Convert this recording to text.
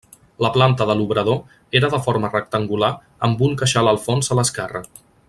La planta de l'obrador era de forma rectangular amb un queixal al fons a l'esquerra.